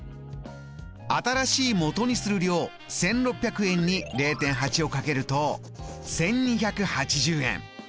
新しいもとにする量１６００円に０．８を掛けると１２８０円。